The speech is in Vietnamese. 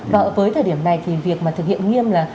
vâng với thời điểm này thì việc mà thực hiện nghiêm là